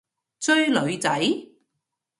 追女仔？